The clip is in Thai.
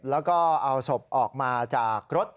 แล้วก็เอาศพออกมาจากรถ